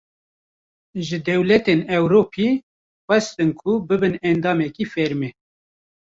Ji dewletên Ewropî, xwestin ku bibin endamekî fermî